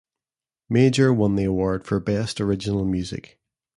Major won the award for Best Original Music.